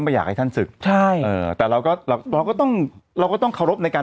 ไม่อยากให้ท่านศึกใช่เออแต่เราก็เราก็ต้องเราก็ต้องเคารพในการ